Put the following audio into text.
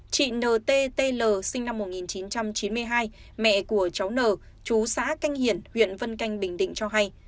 chị n t t l sinh năm một nghìn chín trăm chín mươi hai mẹ của cháu n chú xã canh hiển huyện vân canh bình định cho hay